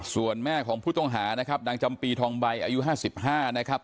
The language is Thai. ส่วนแม่ของผู้ต้องหานะครับนางจำปีทองใบอายุ๕๕นะครับ